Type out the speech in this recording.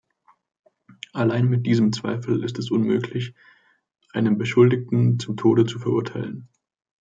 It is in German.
Allein mit diesem Zweifel ist es unmöglich, einen Beschuldigten zum Tode zu verurteilen.